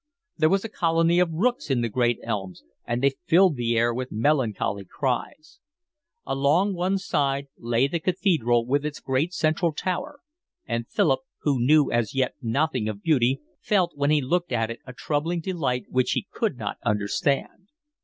There was a colony of rooks in the great elms, and they filled the air with melancholy cries. Along one side lay the Cathedral with its great central tower, and Philip, who knew as yet nothing of beauty, felt when he looked at it a troubling delight which he could not understand.